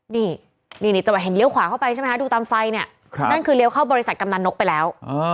นี่นี่จังหวะเห็นเลี้ยขวาเข้าไปใช่ไหมคะดูตามไฟเนี่ยนั่นคือเลี้ยวเข้าบริษัทกำนันนกไปแล้ว